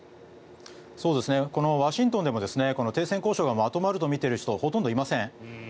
このワシントンでも停戦交渉がまとまるとみている人はほとんどいません。